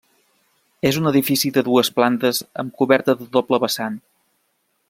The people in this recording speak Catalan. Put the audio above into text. És un edifici de dues plantes amb coberta de doble vessant.